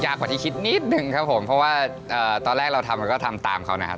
กว่าที่คิดนิดนึงครับผมเพราะว่าตอนแรกเราทำแล้วก็ทำตามเขานะครับ